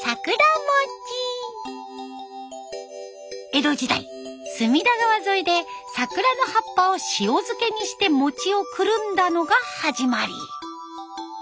江戸時代隅田川沿いで桜の葉っぱを塩漬けにして餅をくるんだのが始まり。